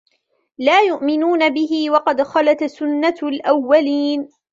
لا يؤمنون به وقد خلت سنة الأولين